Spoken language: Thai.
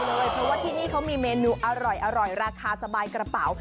เพราะว่าที่นี่เขามีเมนูอร่อยราคาสบายกระเป๋า